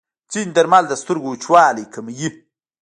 ځینې درمل د سترګو وچوالی کموي.